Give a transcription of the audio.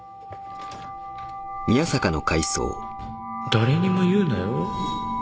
誰にも言うなよ